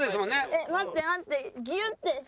えっ待って待って。